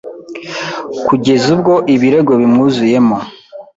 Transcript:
kugeza ubwo ibirego bimwuzuyemo.